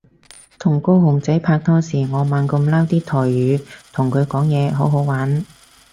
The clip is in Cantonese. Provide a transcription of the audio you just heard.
同高雄仔拍拖時我猛噉撈啲台語同佢講嘢好好玩